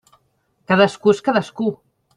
Cadascú és cadascú.